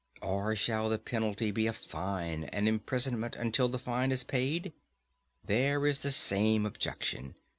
Or shall the penalty be a fine, and imprisonment until the fine is paid? There is the same objection.